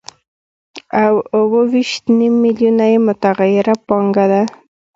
او اوه ویشت نیم میلیونه یې متغیره پانګه ده